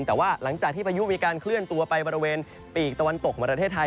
แต่ว่าหลังจากที่พายุมีการเคลื่อนตัวไปบริเวณปีกตะวันตกของประเทศไทย